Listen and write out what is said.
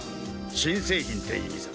新製品って意味さ。